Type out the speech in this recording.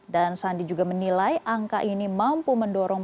dan sandi juga menilai angka ini mampu mendorong